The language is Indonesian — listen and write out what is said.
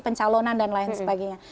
pencalonan dan lain sebagainya